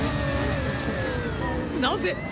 なぜ⁉